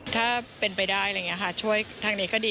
ถ้าเป็นไปได้ช่วยทางนี้ก็ดี